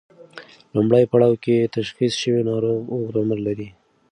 لومړی پړاو کې تشخیص شوی ناروغ اوږد عمر لري.